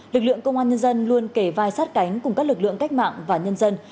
lực lượng công an nhân dân luôn kể vai sát cánh cùng các lực lượng cách mạng và nhân dân